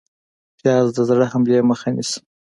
پیاز د زړه حملې مخه نیسي